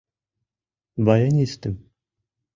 — Баянистым.